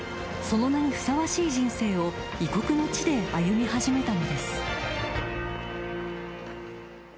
［その名にふさわしい人生を異国の地で歩み始めたのです］